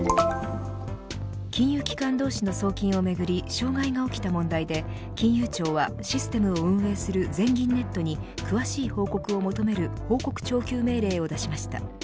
金融機関同士の送金をめぐり障害が起きた問題で金融庁はシステムを運営する全銀ネットに詳しい報告を求める報告徴求命令を出しました。